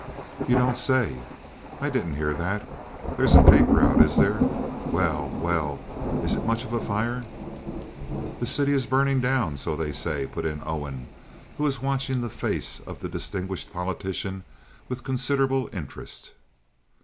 "You don't say! I didn't hear that. There's a paper out, is there? Well, well—is it much of a fire?" "The city is burning down, so they say," put in Owen, who was watching the face of the distinguished politician with considerable interest.